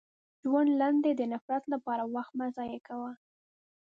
• ژوند لنډ دی، د نفرت لپاره وخت مه ضایع کوه.